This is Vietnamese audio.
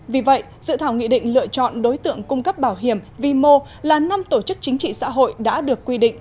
vì vậy dự thảo nghị định lựa chọn đối tượng cung cấp bảo hiểm vi mô là năm tổ chức chính trị xã hội đã được quy định